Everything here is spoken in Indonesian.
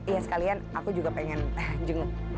ya sekalian aku juga pengen jenguk julie gitu